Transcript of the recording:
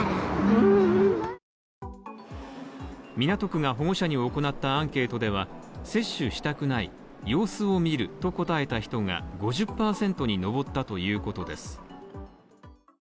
港区が保護者に行ったアンケートでは、接種したくない様子を見ると答えた人が５０％に上ったということです。